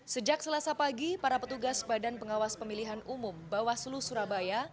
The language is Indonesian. sejak selasa pagi para petugas badan pengawas pemilihan umum bawaslu surabaya